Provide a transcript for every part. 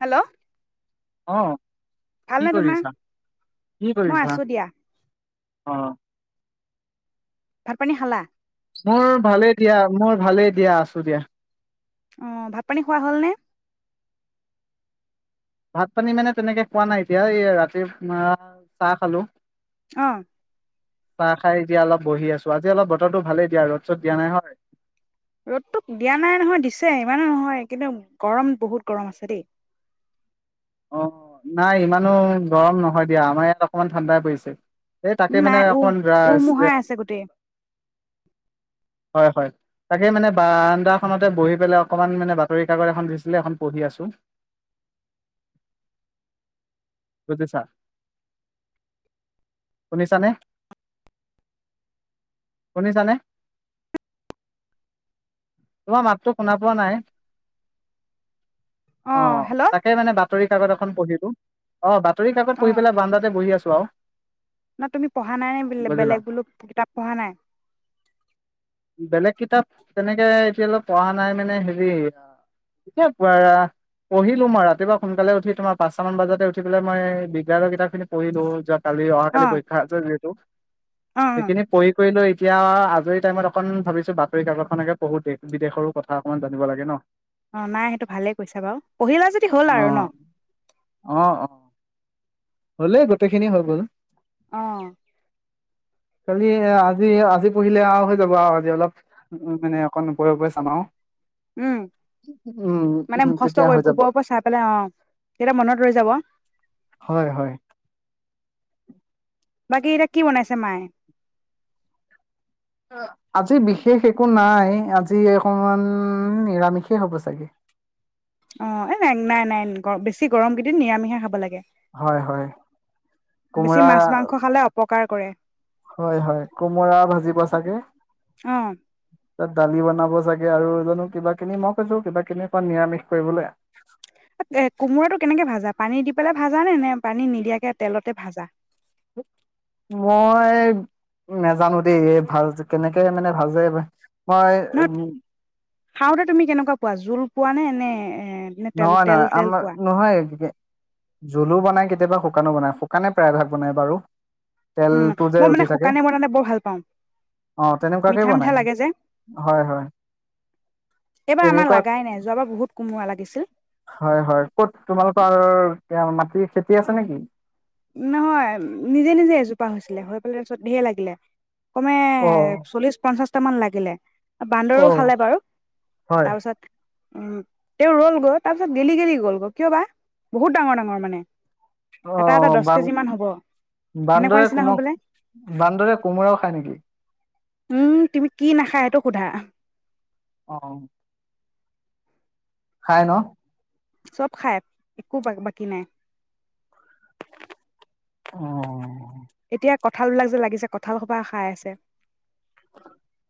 Hello! অহ। ভালনে তোমাৰ? মই কৰিছা আছোঁ দিয়া। অ। ভাত-পানী খালা? মোৰ ভালে দিয়া, মই ভালেই দিয়া। আছোঁ দিয়া। অ', ভাত পানী খোৱা হ'লনে? ভাত পানী মানে তেনেকে খোৱা নাই এতিয়া, এই ৰাতিপুৱাৰ চাহ খালোঁ। অ। চাহ খাই এতিয়া অলপ বহি আছোঁ, আজি অলপ বতৰটো ভালেই দিয়া ৰ'দ - চ'দ দিয়া নাই হয়। ৰ'দতোক দিয়া নাই নহয় দিছে ইমানো নহয়, কিন্তু গৰম বহুত গৰম আছে দেই। অ', নাই ইমানো গৰম নহয় দিয়া, আমাৰ ইয়াত অকমান ঠাণ্ডা পৰিছে। এই তাকে উম মানে নাই উ অকণ আ চে উমোহাই আছে গোটেই হয় হয়, তাকে মানে বাৰান্দাখনতে বহি পেলাই অকণমান মানে বাতৰিকাকত এখন দিছিলে, এখন পঢ়ি আছোঁ। বুজিছা? শুনিছানে শুনিছানে? তোমাৰ মাতটো শুনা পোৱা নাই? অ', তাকে মানে বাত বাতৰি কাকত এখন পঢ়িলোঁ। অহ, না তুমি পঢ়া নাই বোলে বুজিলা বেলেগ বুলো কিতাপ পঢ়া নাই? বেলেগ কিতাপ তেনেকে এতিয়ালৈকে পঢ়া নাই মানে হেৰি এয়া এতিয়া পৰা পঢ়িলোঁ মই ৰাতিপুৱা সোনকালে উঠি তোমাৰ পাঁচটা মান বজাতে উঠি পেলাই মই বিজ্ঞানৰ কিতাপখিনি পঢ়িলোঁ য কালি, অ অহাকালি পৰীক্ষা আছে যিহেতু অ অ সেইখিনি পঢ়ি কৰি লৈ এতিয়া আৰু আজৰি টাইমত অকণ ভাবিছো বাতৰিকাকতখনকে পঢ়ো, দেশ-বিদেশৰো কথা অকমান জানিব লাগে ন? অ' নাই সেইটো ভালেই কৈছা বাৰু। পঢ়িলা যদি হ'ল অ আৰু ন? অ অ হ'লেই গোটেইখিনি হৈ গ'ল। অ' কালি আজি-আজি পঢ়িলে হৈ যাব আৰু। আৰু আজি অলপ মানে অকণ ওপৰে-ওপৰে চাম আৰু। উম মানে উম মুখস্থ তেতিয়া হৈ কৰিব, যাব। ওপৰে-ওপৰে চাই পেলাই, অ' তেতিয়া মনত ৰৈ যাব। হয় হয়। বাকী এইকিটা কি বনাইছে মায়ে? আজি বিশেষ একো নাই, আজি অকমান নিৰামিষেই হ'ব চাগে। অ' এ নাই নাই বেছি গৰম কেইদিন নিৰামিষ খাব লাগে। হয় হয়। বেছি কোমোৰা, মাছ মাংস খালে অপকাৰ কৰে হয় হয়। কোমোৰা ভাজিব চাগে। অ দালি বনাব চাগে আৰু জানো কিবা কিনি, মই কৈছো কিবা কিনি নিৰামিষ কৰিবলৈ। এ কোমোৰাটো কেনেকে ভাজা পানী দি পেলাই ভাজা নে? নে পানী নিদিয়াকে তেলতে ভাজা? মই নাজানো দেই। ভাল কেনেকে মানে ভাজে মই নহয়, খাওতে তুমি কেনেকুৱা পোৱা? জোল পোৱা নে? নে? এ নে তেল নহয় তেল নহয়। তেল আমাৰ, পোৱা নহয় জুলো বনায় কেতিয়া কেতিয়াবা শুকানো বনায়, শুকানে প্ৰায়ভাগ বনায় বাৰু। উম তেলটো যে মই মানে উঠি থাকে শুকানে বিনালে বৰ ভাল পাও। অ তেনেকুৱাকে মিঠা-মিঠা বনাই লাগে যে, হয় হয় এইবাৰ আমাৰ তেনেকুৱা লগাই নাই। যোৱাবাৰ বহুত কোমোৰা লাগিল। হয় হয়। ক'ত তোমালোকৰ? এতিয়া মাটিৰ খেতি আছে নেকি? নহয় নিজে নিজে এজোপা হৈছে। হৈ পেলাই তাপিছত ধেই লাগিলে। কমে অ চল্লিছ পঞ্চাছ টামান লাগিলে। বান্দৰো অ খালে বাৰু। হয় তাৰপিছত উম তেওঁ ৰল গৈ। তাৰ পিছত গেলি গেলি গ'লগৈ, কিয় বা? বহুত ডাঙৰ ডাঙৰ মানে। অ এটা এটা দহ বান্ কেজি মান হ'ব সেনেকুৱা বান্দৰে নিচিনা হৈ পেলাই কোমোৰা বান্দৰে কোমোৰাও খায় নেকি? উম, তুমি কি নাখায় এইটো সোধা। অ খাই ন? চব খায়। একো বাকী নাই। অ'। এতিয়া কঁঠাল বিলাক যে লাগিছে। কঁঠাল সোপা খাই আছে।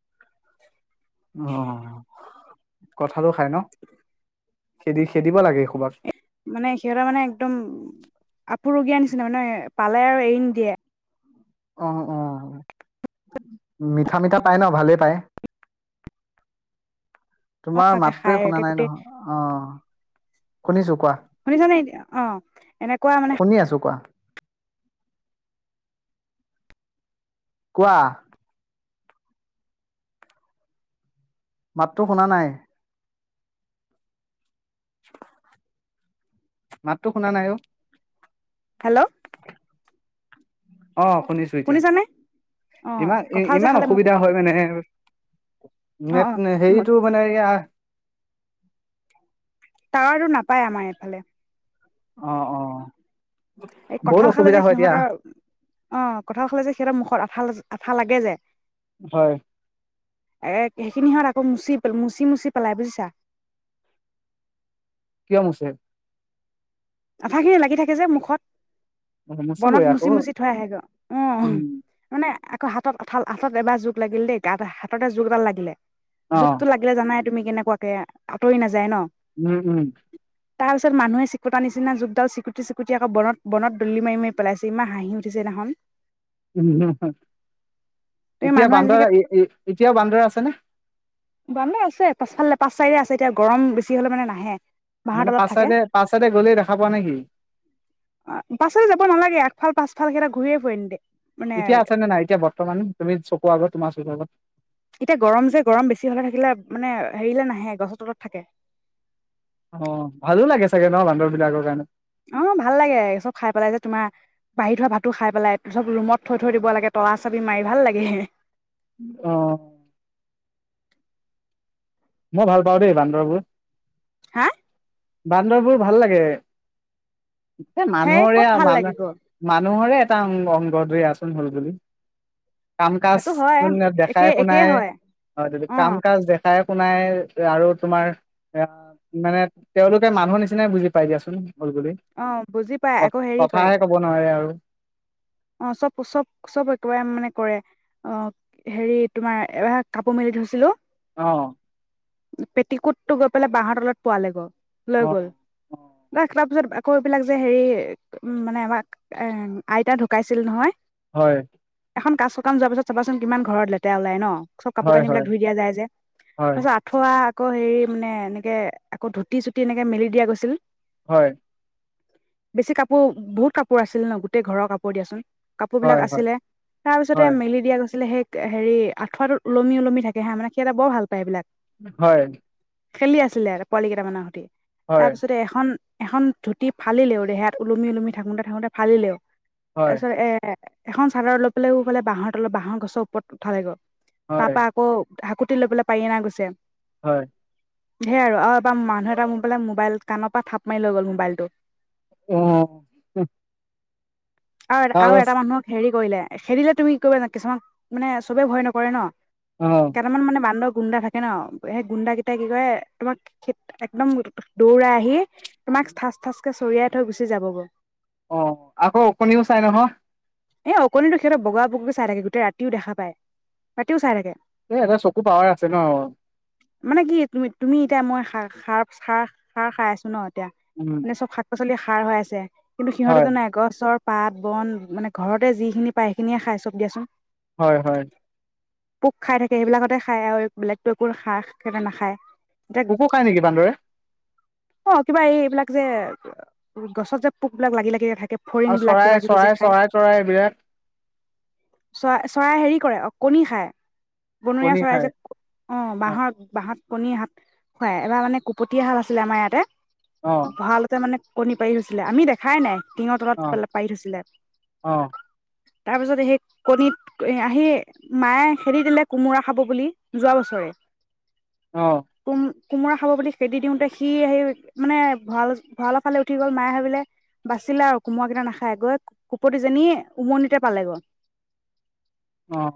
[unintelligible] অ কঁঠা লো খায় ন? খেদি খেদিব লাগে এই মানে সিহঁতৰ মানে একদম আপুৰুগীয়া নিচিনা মানে পালে আৰু এৰি নিদিয়ে। অ', অ', মিঠা মিঠা পাই ন ভালেই পায়। তোমাৰ মাতটোয়ে খাই শুনা নাই গোটেই নহয়। অ ', শুনিছো কোৱা। শুনিছানে অ এনেকুৱা মানে শুনি আছো কোৱা। কোৱা। মাততো শুনা নাই। [unintelligible] মাততো শুনা নাই, অ'। হেল্ল' অ', শুনিছো এতিয়া। শুনিছানে অ ইমান কঁঠাল যে ইমান খালে মোক অসুবিধা হয় মানে অ নেট অ হেৰিটো মানে এয়া [unintelligible] টাৱাৰটো নাপায় আমাৰ এইফালে অ', অ', এই বহুত কঁঠাল খালে অসুবিধা যে, হয় দিয়া সিহঁতৰ অ', কঁঠাল খালে যে সিহঁতৰ মুখত আঠাল আঠা লাগে যে হয়। এ সেইখিনি হত আকৌ মুচি, মুচি, মুচি পেলাই বুজিছা। কিয় মুছে? আঠাখিনি লাগি থাকে যে মুখত বনত মুচিবই আকৌ মুচি মুচি থৈ আহেগৈ অহ উম মানে আকৌ হাতত আঠাল হাতত এবাৰ জোক লাগিল দেই গাতে হাততে জোক এডাল লাগিলে। অ জুকটো লাগিলে জানাই তুমি কেনেকুৱাকে আতৰি নাযায় ন উম উম তাৰ পিছত মানুহে ফুটা নিচিনা জোকডাল চিকুটি চিকুটি আক বনত বনত দলি মাৰি মাৰি পেলাইছেহি ইমান হাঁহি উঠিছে সেইনাখন উম হ তুমি এতিয়া মানুহে বান্দৰ যেনেকে এতিয়াও বান্দৰ আছেনে। বান্দৰ আছে পাছফালে পাছ চাইডে আছে এতিয়া গৰম বেছি হ'লে মানে নাহে। বাঁহৰ মানে তলত পাছ থাকে চাইডে পাছ চাইডে গ'লেই দেখা পোৱা নে কি পাছলে যাব নালাগে আগফাল পাছ কেইটা ঘূৰিয়ে ফুৰে এনিটাইম এতিয়া আছে নে নাই এতিয়া বৰ্তমান তুমি চকু আগত তোমাৰ চকুৰ আগত এতিয়া গৰম যে গৰম বেছি হ'লে থাকিলে মানে হেৰিলে নাহে গছৰ তলত থাকে। অ ভালো লাগে চাগে ন বান্দৰ বিলাকৰ কাৰণে। অঁ ভাল লাগে চব খাই পেলাই যে, তোমাৰ বাহি থোৱা ভাতটো খাই পেলাই, চব ৰুমত থৈ থৈ দিব লাগে তলা চাবি মাৰি ভাল লাগে। হে হে অঁ মই ভাল পাওঁ দেই বান্দৰবোৰ। হা বান্দৰবোৰ ভাল লাগে। এ সেই মানুহৰে ক'ত আৰু ভাল মানুহ লাগিব মানুহৰে অংগ [unintelligible] আচন হ'ল বুলি কাম কাজ সেইটো হয় কোন একে দেখাই একেই শুনাই হয় অঁ য অ কাম কাজ দেখাই শুনাই আৰু তোমাৰ, এ মানে তেওঁলোকে মানুহ নিচিনাই বুজি পাই দিয়াচোন। হ'ল বুলি, অ বুজি পাই ক আকৌ হেৰি কথাহে ক'ব নোৱাৰে আৰু। অঁ চব চব চব একেবাৰে মানে কৰে, অঁ হেৰি তোমাৰ এব কাপোৰ মেলি থৈছিলো অঁ পেটিকোটটো গৈ পেলাই বাঁহৰ তলত পোৱালে গৈ লৈ অ গ'ল, অ দেখল পিছত আকৌ এইবিলাক যে হেৰি মানে আমাক এ আইতা ঢ ঢোকাইছিল নহয়। হয়। এখন কাজ সকাম যোৱাৰ পিছত চাবাচোন, কিমান ঘৰত লেতেৰা ওলাই ন চব কাপোৰ হয় কানি বিলাক হয় ধুই দিয়া যায় যে, হয় তাৰপিছত আঠুৱা আকৌ হেৰি মানে এনেকে আকৌ ধুতি চুতি এনেকে মেলি দিয়া গৈছিল। হয়। বেছি কাপোৰ, বহুত কাপোৰ আছিল ন, গোটেই ঘৰৰ কাপোৰ হ'ব দিয়াচোন। কাপোৰ হয় বিলাক হয় আছিলে, তাৰ পিছতে হয় মেলি দিয়া গৈছিলে সেই হেৰি আঠুৱাটো ওলমি ওলমি থাকে হাঁ মানে সিহঁতে বৰ ভাল পায় এইবিলাক হয়। খেলি আছিলে আৰু পোৱালি কেইটামানৰ সতি হয় তাৰপিছতে এখন এখন ধুতি ফালিলেও দেহাত ওলমি ওলমি থাকোতে থাকোতে ফালিলেও হয় তাৰপিছত এ এখন চাদৰলৈ পেলাই হূফালে বাঁহৰ তলত বাঁহৰ গছৰ ওপৰত উঠালে গল। হয় তাপা আকৌ হাকুতি লৈ পেলা পাৰি অনা গৈছে। হয়! ধেৰ আৰু এবাৰ মানুহ এটা মোৰ পাই মোবাইল কাণৰ পৰা থাপ মাৰি লৈ গ'ল মোবাইলটো। অঁ! আৰু আৰু এটা মানুহক হেৰি কৰিলে, খেদিলে তুমি কৰিবান কিছুমান মানে চবে ভয় নকৰে ন! অ কেইটামান মানে বান্দৱ গুণ্ডা থাকে ন, সেই গুণ্ডা কেইটাই কি কৰে তোমাক একদম দৌৰাই আহি তোমাক থাচ থাচ কে চৰিয়াই থৈ গুচি যাব গৌ অঁ আকৌ, অকণও চাই নহয়! এ অকণিটো সিহঁতে বগা বকু চাই থাকে, গোটেই ৰাতিও দেখা পায়, ৰাতিও চাই থাকে। এ এটা চকু পাৱাৰ আছে ন? খাৰ- খাৰ- খাৰ, খাই আছোঁ ন! এ উম, মানে চব শাক পাচ চলি সাৰ হৈ আছে। কিন্তু হয়, সিহঁতো নাই। গছৰ পাত বন, মানে ঘৰতে যিখিনি পায় সেইখিনিয়ে খাই চব দিয়াচোন। হয় হয়। পোক খাই থাকে সেইবিলাকতে খায় আৰু বেলেগতো একো হাঁহ কে নাখায় পকু ও খাই নেকি বান্দৰে? অঁ, কিবা এই এইবিলাক যে, গছত যে পোক বিলাক লাগি লাগিল থাকে। আৰু ফৰিংবিলাক চৰাই চৰাই চৰাই চৰাইবিলাক? চৰা চৰাই হেৰি কৰে কণী খায়। বনৰীয়া কণী চৰাই যে, খায়। অঁ অ', বাঁহৰ বাঁহত কণী হাত খুৱাই এবাৰ মানে কুপটীয়া হাল আছিলে আমাৰ ইয়াতে। অ', ভাৰালতে মানে কণী পাৰি থৈছিলে! আমি দেখাই নাই টিঙ অ', পালে পাৰি থৈছিলে। অ', তাৰ পিছত, সেই কণীত আহি মায়ে খেদি দিলে কোমোৰা খাব বুলি, যোৱা বছৰে অঁ! কোম কোমোৰা খাব বুলি খেদি দিওঁতে সি সেই মানে ভঁৰাল ভঁৰালৰ ফালে উঠি গ'ল মায়ে ভাবিলে বাচিলে আৰু কোমৰাৰাকেইটা নাখায়, গৈ কুপটোজনী উমনিতে পালেগৈ। অঁ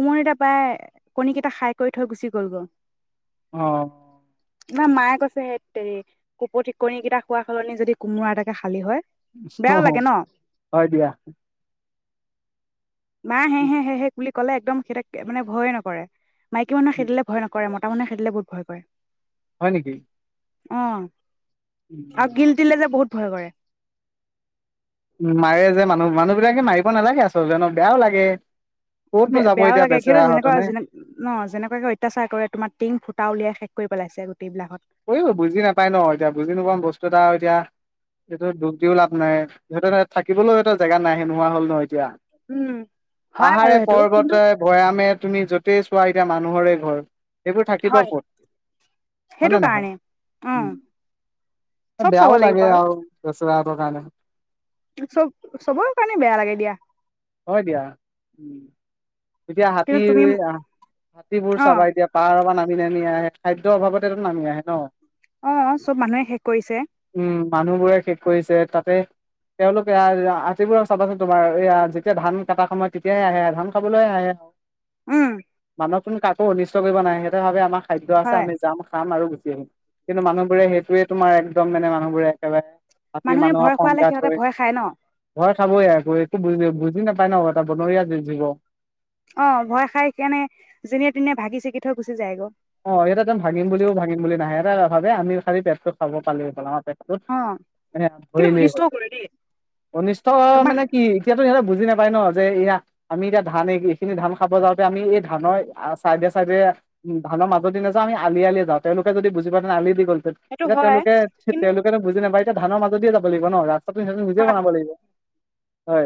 উমনিটাাৰ পাই, কণীকেইটা খাই কৰি থৈ গুচি গল গ'ল অঁ তমাৰ মায়ে কৈছে সেই হৰি কুপ ঠিকনি কেইটা খোৱা সলনি যদি কোমোৰা এটাকে খালী হয়। বেয়াও অঁ- অঁ লাগে ন হয় দিয়! ম হে হে হে হেুলি ক'লে একদম সিহতে মানে ভয়ে নকৰে মাইকী মানুহৰ হো উম, খেদিলে মতা তাৰামানে খেদিলৈ বহুত ভয় কৰে। হয় নেকি? অঁ! আৰু উম, গিলটিলে যে বহুত ভয় কৰেহ উ মাৰে যে মানুহ। মানুহবিলাকে মাৰিব নালাগে, আছজনক বেয়াও লাগে। ব ক'তনো যাব বেয়াও এতিয়া লাগে সিটো বেচেৰাহঁত যেনেকুৱা হয়নে? যে ন যেনেকুৱাকে অত্যাচাৰ কৰে তোমাৰ টিং ফুটা উলিয়াই। কৰি পেলাইছে গোটেই বিলাকত। কৰিব বুজি নাপাই ন এতিয়া বুজি নোপোৱাওঁ বস্তু এটা এতিয়া এইটো দুখ দিও লাভ নাই সিহঁতে থাকিবলৈ এটা জেগা নে নোহোৱা হল ন এতিয়া উম হয় বাৰু পাহাৰে সেইটো কিন্তু পৰ্বতে ভৈয়ামে তুমি য'তেই চোৱ এতিয়া মানুহৰে ঘৰহ এইবোৰ থাকিব হয় কত। সেইটো নহয়? কাৰণে অ উম, চব চাব বেয়াও লাগে লাগিব আৰু বেচেৰাহঁতৰ কাৰণে চব চবৰ কাৰণে বেয়া লাগে দিয়া হয় দিয়া উ এতিয়া হাতী কিন্তু তুমি হাতীবোৰ অ চাবা এতিয়া পাহাৰ পৰা নামি নামি আহ খাদ্যৰ অভাৱতে এইটো নামি আহে ন অ চব মানুহে শেষ কৰিছে উম, মানুহবোৰে শেষ কৰিছে তাতে তেওঁলোকে আতিবোৰক চাবাচোন তোমাৰ এয়া যেতিয়া ধান কটা সময়ত তেতিয়াহে আহে ধান ক বলৈ আ উম মানুহ কোন কাকো অনিষ্ট কৰিব নাই সেইটো ভাবে আমাক খাদ্য আছে হয় আমি যাম খাম আৰু কিন্তু মানুহবোৰে সেইটোৱে তোমাৰ একদম মানে মানুহবোৰে একেবাৰে ৰাতি মানুহে মানুহৰ ভয় খোৱালে সংঘাত সিহঁতে হয় ভয় খায় ন ঘৰ খাবই আকৌ এইো বুজ বুজ বুজি নাপাই ন এটা বনৰীয়া জীৱ দিব অহ, ভয় খাই কেনে যেনে তেনে ভাগি ছিগি থৈ গুচি যায়গ। অহ, ইয়াত একদম ভাঙিম বুলিও ভাঙিম বুলি নাহে [unintelligible] ভাবে আমিও খালি পেটটো খাব পালেই হল আমাৰ পেটটো অ [unintelligible] কিন্তু ধৰিলেই হয় অনিষ্টও কৰে দেই অনিষ্ট তোমাৰ মানে কি এতিয়াতো সিহঁতে বুজি নাপায়। কয় ন যে এয়া আমি এতিয়া ধান এইখিনি ধান খাব যাওঁতে আমি এই ধানৰ চাইডে- চাইডে ধানৰ মাজদি নাজাও আলি -আলি যাওঁ তেওলোকে যদি বুজি পায় তেনে আলি দি সেইটো এতিয়া হয় তেওঁলোকে কিন্তু -তেওঁলোকেতো বুজি নাপায় এতিয়া ধানৰ মাজেদিয়ে যাব লাগিব ন ৰা তাৰপিছত সেইটো নিজে হয় হয় বনাব লাগিব। হয়।